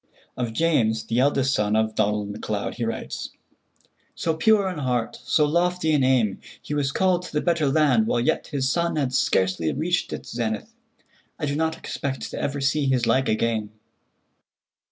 Of James, the eldest son of Donald MacLeod, he writes: "So pure in heart, so lofty in aim, he was called to the better land while yet his sun had scarcely reached its zenith. I do not expect to ever see his like again."